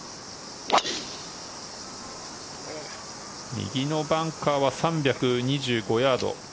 右のバンカーは３２５ヤード。